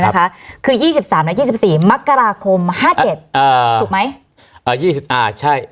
นะคะคือ๒๓และ๒๔มกราคม๕๗ถูกไหม